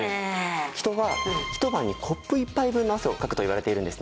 人は一晩にコップ１杯分の汗をかくといわれているんですね。